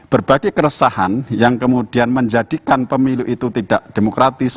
berbagai keresahan yang kemudian menjadikan pemilu itu tidak demokratis